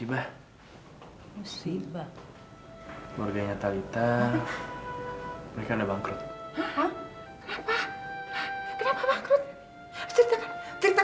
tapi saya gak pernah beli merek ini kok